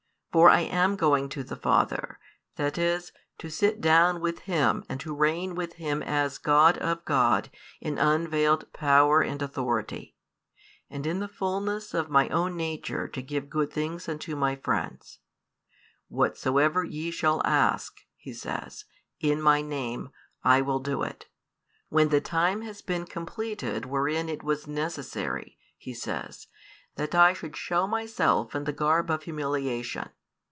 For I am going to the Father, that is, to sit down with Him and to reign with Him as God of God in unveiled power and authority, [and in the fulness] of My own nature to give good things unto My friends. Whatsoever ye shall ask," He says, "in My Name, I will do it, when the time has been completed wherein it was necessary," He says, "that I should show Myself in the garb of humiliation.